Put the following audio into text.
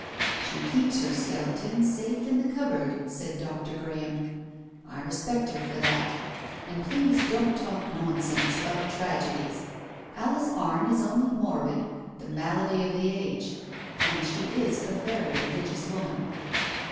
"She keeps her skeleton safe in the cupboard," said Dr. Graham. "I respect her for that. And please don't talk nonsense about tragedies. Alice Arne is only morbid — the malady of the age. And she is a very religious woman."